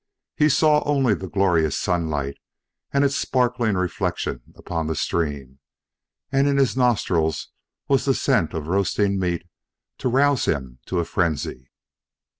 He saw only the glorious sunlight and its sparkling reflection upon the stream; and in his nostrils was the scent of roasting meat to rouse him to a frenzy.